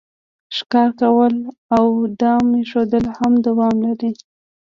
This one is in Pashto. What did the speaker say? ښکار کول او دام ایښودل هم دوام لري